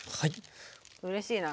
うれしいな。